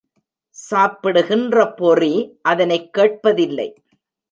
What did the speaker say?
சாப்பிடுகின்ற பொறி அதனைக் கேட்பதில்லை.